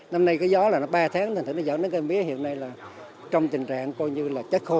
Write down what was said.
năm nay cái gió là ba tháng nên nó dẫn đến cây mía hiện nay là trong tình trạng coi như là chất khóa